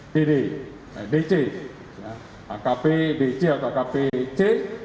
hai dede dc akp bc atau kpc